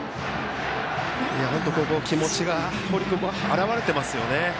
気持ちが堀君、表れてますよね。